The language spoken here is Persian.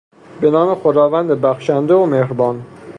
به نام خداوند بخشنده و مهربان